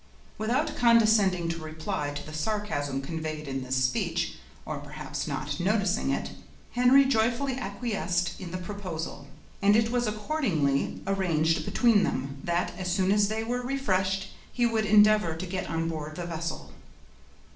Without condescending to reply to the sarcasm conveyed in this speech, or perhaps not noticing it, Henry joyfully acquiesced in the proposal, and it was accordingly arranged between them, that, as soon as they were refreshed, he should endeavor to get on board the vessel.